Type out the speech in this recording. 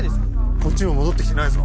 こっちにも戻って来てないぞ。